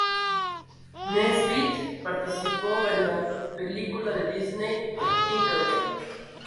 Nesbitt participó en la película de Disney Tinker Bell.